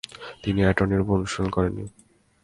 তিনি এটর্নিরূপে অনুশীলন করেননি।